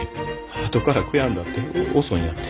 あとから悔やんだって遅いんやて。